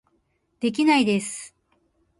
できないです